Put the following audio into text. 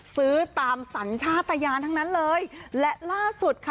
ซื้อตามสัญชาติยานทั้งนั้นเลยและล่าสุดค่ะ